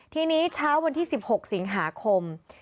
ทีนี้เช้าวันที่๑๖สิงหาคม